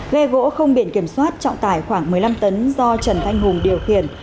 ghe gỗ không biển kiểm soát trọng tải khoảng một mươi năm tấn do trần thanh hùng điều khiển